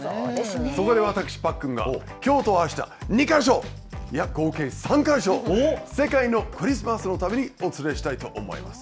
そこで私、パックンがきょうとあした、２か所、いや、合計３か所、世界のクリスマスの旅にお連れしたいと思います。